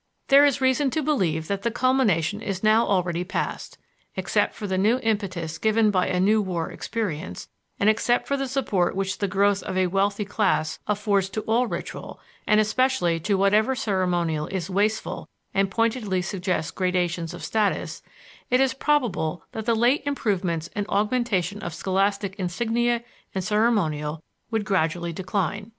There is reason to believe that the culmination is now already past. Except for the new impetus given by a new war experience, and except for the support which the growth of a wealthy class affords to all ritual, and especially to whatever ceremonial is wasteful and pointedly suggests gradations of status, it is probable that the late improvements and augmentation of scholastic insignia and ceremonial would gradually decline.